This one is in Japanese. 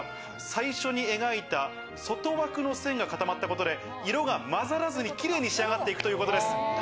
最初に描いた外枠の線が固まったことで、色が混ざらずに、綺麗に仕上がっていくということです。